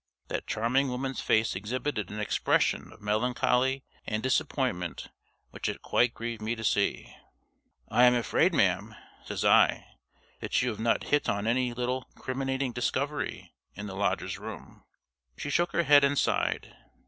That charming woman's face exhibited an expression of melancholy and disappointment which it quite grieved me to see. "I am afraid, ma'am," says I, "that you have not hit on any little criminating discovery in the lodger's room?" She shook her head and sighed.